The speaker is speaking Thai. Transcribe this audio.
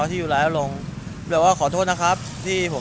เหมือนกันมากครับผม